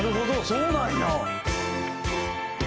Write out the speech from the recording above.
そうなんや！」